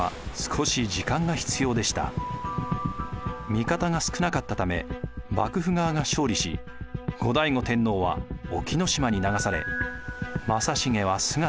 味方が少なかったため幕府側が勝利し後醍醐天皇は隠岐島に流され正成は姿をくらましました。